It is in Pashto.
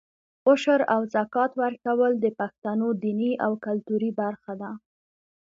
عشر او زکات ورکول د پښتنو دیني او کلتوري برخه ده.